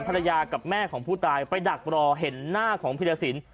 ภรรยากับแม่ของผู้ตายไปดักรอเห็นหน้าของพิรสิน